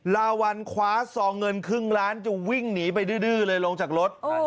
ลาวัลคว้าซองเงินครึ่งล้านจะวิ่งหนีไปดื้อเลยลงจากรถ